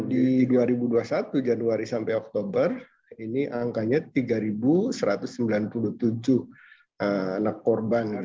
di dua ribu dua puluh satu januari sampai oktober ini angkanya tiga satu ratus sembilan puluh tujuh anak korban